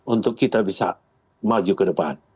untuk kita bisa maju ke depan